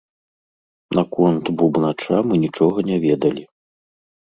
Наконт бубнача мы нічога не ведалі.